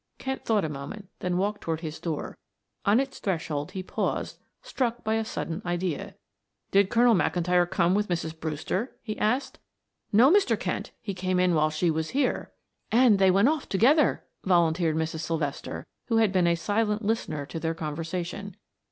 Kent thought a moment then walked toward his door; on its threshold he paused, struck by a sudden idea. "Did Colonel McIntyre come with Mrs. Brewster?" he asked. "No, Mr. Kent; he came in while she was here." "And they went off together," volunteered Mrs. Sylvester, who had been a silent listener to their conversation.